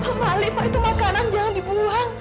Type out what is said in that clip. pak malik itu makanan jangan dibuang